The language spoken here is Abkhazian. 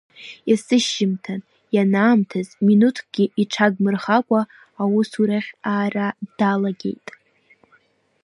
Есышьыжьымҭан, ианаамҭаз, минуҭкгьы иҽагмырхакәа, аусурахь аара далагеит.